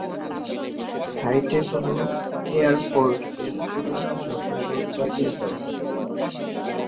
সাইটে কোন এয়ারপোর্ট এর চূড়ান্ত সাফল্য চাপিয়ে দেওয়া।